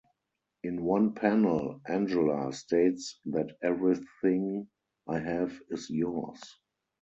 In one panel, Angela states that "everything I have is yours".